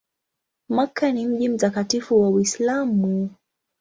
Makka ni mji mtakatifu wa Uislamu.